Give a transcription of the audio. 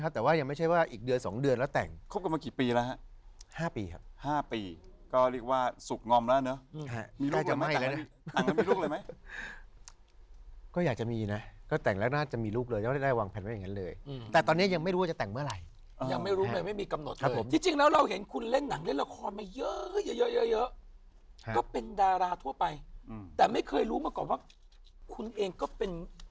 ก็เป็นดาราทั่วไปแต่ไม่เคยรู้มาก่อนว่าคุณเองก็เป็นสามารถทรงเจ้าได้อย่างนี้หรือ